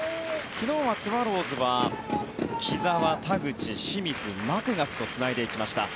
昨日はスワローズは木澤、田口、清水、マクガフとつないでいきました。